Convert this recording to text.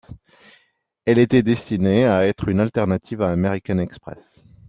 Elle était destinée à être une alternative à American Express.